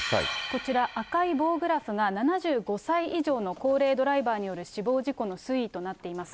こちら、赤い棒グラフが７５歳以上の高齢ドライバーによる死亡事故の推移となっています。